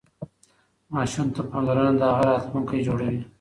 ماشوم ته پاملرنه د هغه راتلونکی جوړوي.